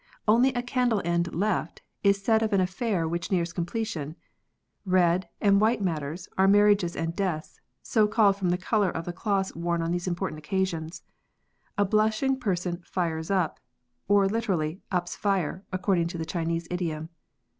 Only a candle end left is said of an affair which nears completion ; red and white matters are marriages and deaths, so called from the colour of the clothes worn on these important occasions. A blushing per son flres top, or literally, iips fire, according to the Chinese idiom.